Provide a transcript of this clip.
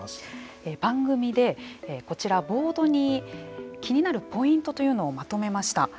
番組でこちらボードに気になるポイントをまとめました。